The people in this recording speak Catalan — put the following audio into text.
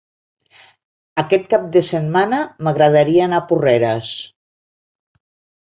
Aquest cap de setmana m'agradaria anar a Porreres.